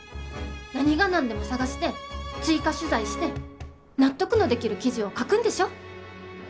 何が何でも探して追加取材して納得のできる記事を書くんでしょ？